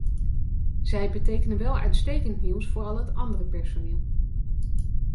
Zij betekenen wel uitstekend nieuws voor al het andere personeel.